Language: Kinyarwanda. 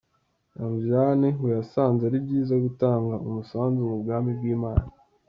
Ramjaane ngo yasanze ari byiza gutanga umusanzu mu bwami bw'Imana.